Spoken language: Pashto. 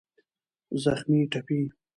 زخمي √ ټپي